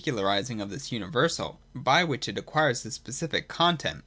larising of this universal, by which it acquires a specific con tent.